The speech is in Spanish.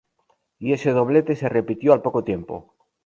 Y ese doblete se repitió al poco tiempo.